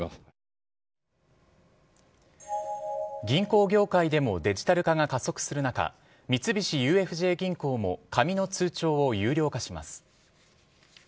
銀行業界でもデジタル化が加速する中三菱ＵＦＪ銀行も紙の通帳を有料化します。